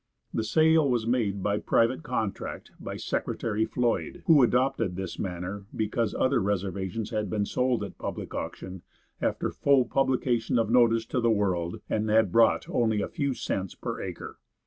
The sale was made by private contract by Secretary Floyd, who adopted this manner because other reservations had been sold at public auction, after full publication of notice to the world, and had brought only a few cents per acre.